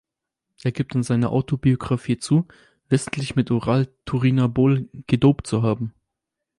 Er gibt in seiner Autobiografie zu, wissentlich mit Oral-Turinabol gedopt zu haben.